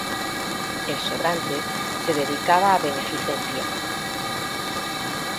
El sobrante se dedicaba a beneficencia.